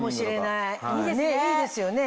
いいですよね。